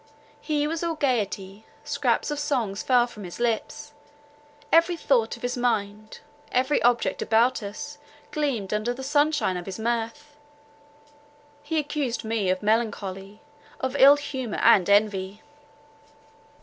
He was all gaiety; scraps of songs fell from his lips; every thought of his mind—every object about us, gleamed under the sunshine of his mirth. He accused me of melancholy, of ill humour and envy.